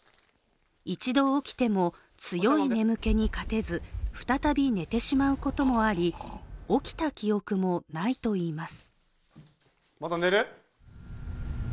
一度起きても、強い眠気に勝てず再び寝てしまうこともあり起きた記憶もないといいます。